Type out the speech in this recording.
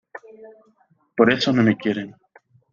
Por eso no me quieren.